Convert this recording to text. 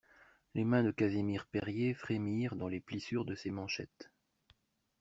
Les mains de Casimir Perier frémirent dans les plissures de ses manchettes.